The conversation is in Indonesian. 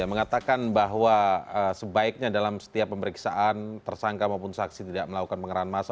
mengatakan bahwa sebaiknya dalam setiap pemeriksaan tersangka maupun saksi tidak melakukan pengerahan massa